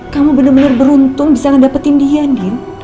kamu bener bener beruntung bisa ngedapetin dian din